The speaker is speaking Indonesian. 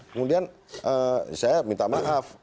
kemudian saya minta maaf